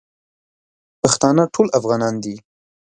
پښتانه ټول افغانان دی